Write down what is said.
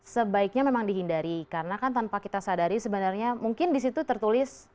sebaiknya memang dihindari karena kan tanpa kita sadari sebenarnya mungkin disitu tertulis